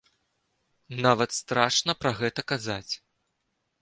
Нават страшна пра гэта казаць.